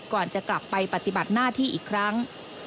ก่อนจะกลับไปปฏิบัติหน้าที่อีกครั้ง